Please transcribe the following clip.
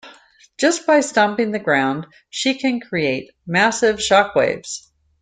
Just by stomping the ground she can create massive shockwaves.